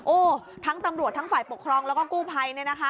โอ๊ะทั้งตำรวจทั้งฝ่ายปกครองแล้วก็กู้ไพร